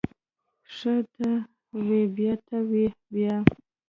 ښه ته ووی بيا ته وی بيا.